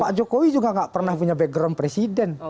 pak jokowi juga gak pernah punya background presiden